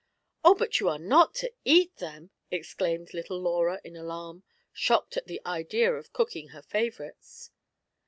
" Oh, but you are not to eat them !" exclaimed little Laura in alarm, shocked at the idea of cooking her favourites.